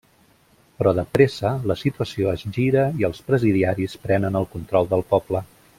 Però de pressa, la situació es gira i els presidiaris prenen el control del poble.